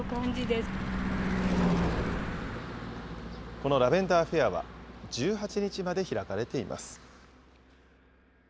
このラベンダーフェアは、１８日まで開かれています。